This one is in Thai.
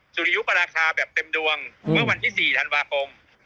สุริยุปราคาแบบเต็มดวงเมื่อวันที่๔ธันวาคม